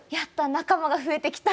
仲間が増えてきた！」